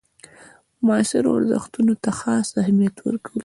معاصرو ارزښتونو ته خاص اهمیت ورکول.